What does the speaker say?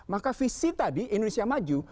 maka visi tadi indonesia maju